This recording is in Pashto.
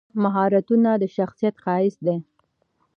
مهارتونه د شخصیت ښایست دی.